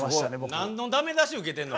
何の駄目出し受けてんの？